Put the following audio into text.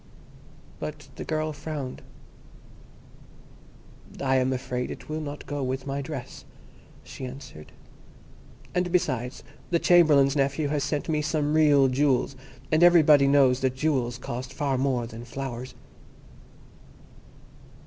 But the girl frowned. "I am afraid it will not go with my dress," she answered; "and, besides, the Chamberlain's nephew has sent me some real jewels, and everybody knows that jewels cost far more than flowers."